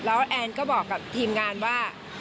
แล้วแอนก็บอกกับทีมงานว่า